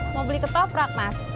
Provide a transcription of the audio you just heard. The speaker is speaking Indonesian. mau beli ketoprak mas